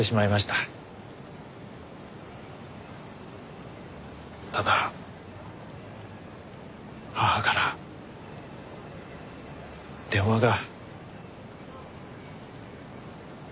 ただ母から電話が。